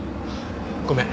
ごめん。